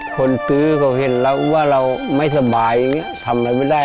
คนซื้อเห็นแล้วว่าเราไม่สบายทำอะไรไม่ได้